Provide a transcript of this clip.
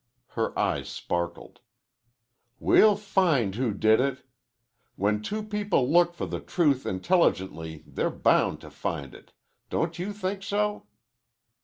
Her eyes sparkled. "We'll find who did it! When two people look for the truth intelligently they're bound to find it. Don't you think so?"